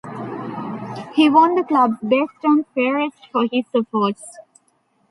He won the club's best and fairest for his efforts.